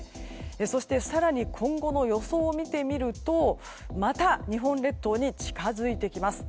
そして、更に今後の予想を見てみるとまた、日本列島に近づいてきます。